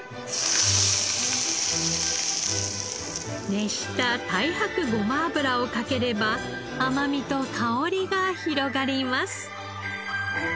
熱した太白ごま油をかければ甘みと香りが広がります。